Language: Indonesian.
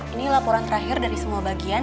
ini laporan terakhir dari semua bagian